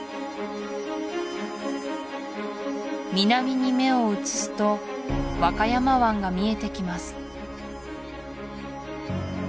南に目を移すと和歌山湾が見えてきます